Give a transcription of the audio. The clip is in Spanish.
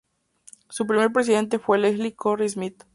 Su primer presidente fue Leslie Corry Smith.